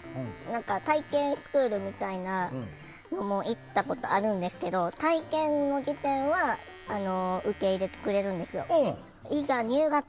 体験スクールみたいなのも行ったことあるんですけど体験の時点は受け入れてくれるんですよ。